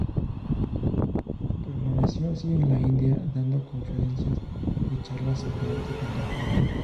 Permaneció así en la India, dando conferencias y charlas sobre arte contemporáneo.